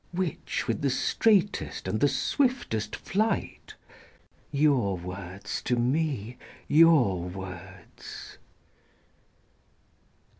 Which with the straightest and the swiftest flight? Your words to me, your words!